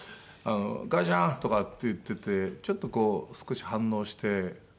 「母ちゃん！」とかって言っててちょっとこう少し反応して。